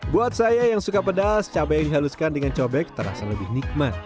buat saya yang suka pedas cabai yang dihaluskan dengan cobek terasa lebih nikmat